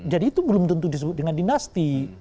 jadi itu belum tentu disebut dengan dinasti